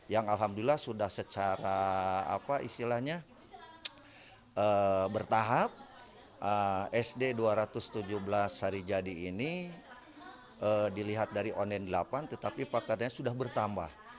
yang alhamdulillah sudah secara apa istilahnya bertahap sd dua ratus tujuh belas sarijadi ini dilihat dari online delapan tetapi pakarnya sudah bertambah